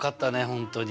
本当に。